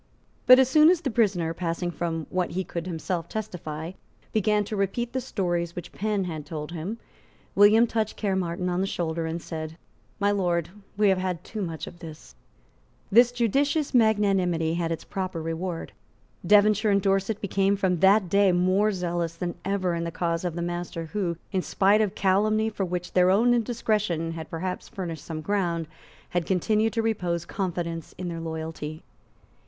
But as soon as the prisoner, passing from what he could himself testify, began to repeat the stories which Penn had told him, William touched Caermarthen on the shoulder and said, "My Lord, we have had too much of this." This judicious magnanimity had its proper reward. Devonshire and Dorset became from that day more zealous than ever in the cause of the master who, in spite of calumny for which their own indiscretion had perhaps furnished some ground, had continued to repose confidence in their loyalty.